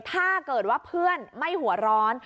ถ้าเกิดว่าเพื่อนไม่หัวร้อน